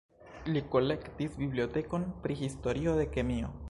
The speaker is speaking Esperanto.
Li kolektis bibliotekon pri historio de kemio.